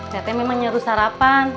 dede memang nyuruh sarapan